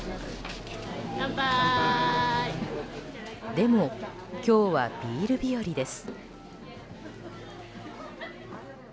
でも、今日はビール日和です。